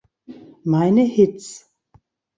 Meine Hits.